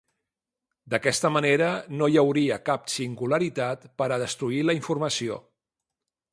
D'aquesta manera, no hi hauria cap singularitat per a destruir la informació.